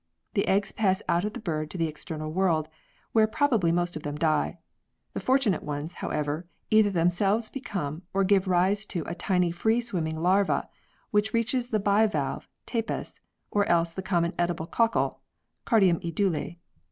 The eggs pass out of the bird to the external world, where probably most of them die. The fortunate ones, however, either themselves become, or give rise to a tiny free swimming larva, which reaches the bivalve, Tapes, or else the common edible cockle (Cardium edule).